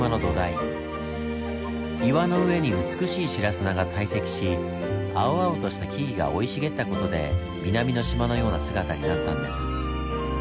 岩の上に美しい白砂が堆積し青々とした木々が生い茂った事で南の島のような姿になったんです。